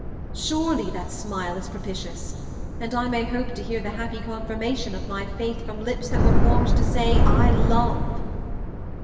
Surely that smile is propitious! and I may hope to hear the happy confirmation of my faith from lips that were formed to say 'I love!'"